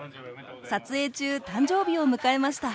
撮影中誕生日を迎えました。